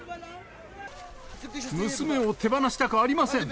娘を手放したくありません。